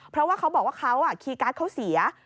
เพราะว่าเขาบอกว่าเขาคีย์การ์ดเขาเสีย